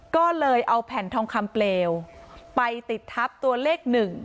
ก็เลยเอาแผ่นทองคำเปลวไปติดทับตัวเลข๑